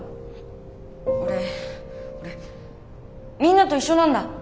俺俺みんなと一緒なんだ。